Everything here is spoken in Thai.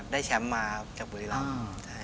ได้แชมป์มาจากบุรีรำ